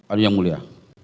ini yang mulia